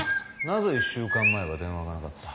なぜ１週間前は電話がなかった？